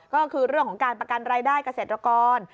ก็คือเรื่องของการประกันรายได้เกษตรกร